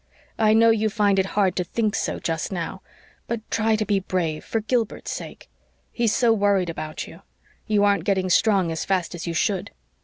I know you find it hard to think so, just now. But try to be brave for Gilbert's sake. He's so worried about you. You aren't getting strong as fast as you should."